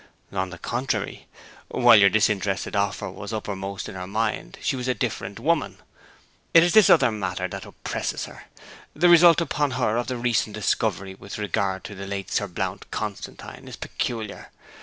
'On the contrary; while your disinterested offer was uppermost in her mind she was a different woman. It is this other matter that oppresses her. The result upon her of the recent discovery with regard to the late Sir Blount Constantine is peculiar.